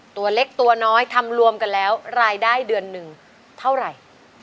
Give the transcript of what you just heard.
ตัวเล็กตัวน้อยทำรวมกันแล้วรายได้เดือนหนึ่งเท่าไหร่